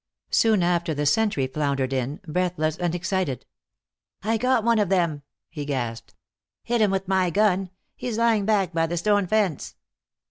Soon after the sentry floundered in, breathless and excited. "I got one of them," he gasped. "Hit him with my gun. He's lying back by the stone fence."